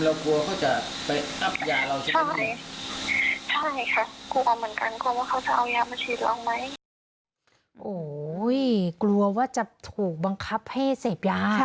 โอ้โหกลัวว่าจะถูกบังคับให้เสพยา